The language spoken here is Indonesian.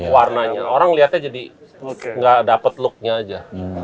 warnanya orang ngeliatnya jadi gak dapet looknya aja